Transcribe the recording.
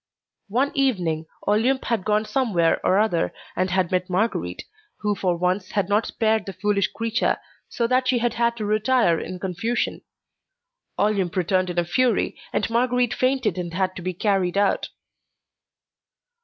One evening Olympe had gone somewhere or other, and had met Marguerite, who for once had not spared the foolish creature, so that she had had to retire in confusion. Olympe returned in a fury, and Marguerite fainted and had to be carried out.